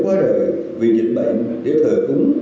chống dịch như chống giặc với những hành động cao đẹp đầy tính nhân ái